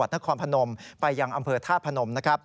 จังหวัดนครพนมไปยังอำเภอทาตรพนม